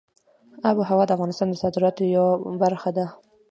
آب وهوا د افغانستان د صادراتو یوه برخه ده.